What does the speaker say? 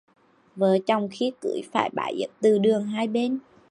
Vợ chồng khi cưới phải bái yết từ đường hai bên